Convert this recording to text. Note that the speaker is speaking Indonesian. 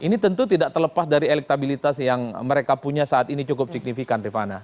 ini tentu tidak terlepas dari elektabilitas yang mereka punya saat ini cukup signifikan rifana